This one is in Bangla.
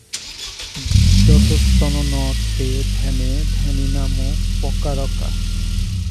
যতস্ততো ন তে ধ্যানে ধ্যানিনামুপকারকাঃ।